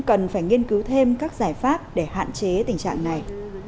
cần phải nghiên cứu thêm các giải pháp để hạn chế tình trạng này